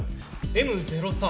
Ｍ０３。